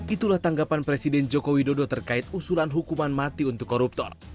itulah tanggapan presiden joko widodo terkait usulan hukuman mati untuk koruptor